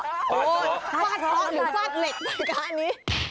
ฟาดเคราะห์หรือฟาดเหล็กเหมือนกันนี้